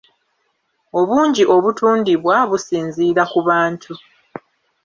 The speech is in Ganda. Obungi obutundibwa businziira ku bantu.